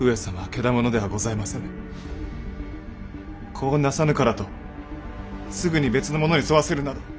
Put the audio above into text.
子をなさぬからとすぐに別の者に添わせるなど。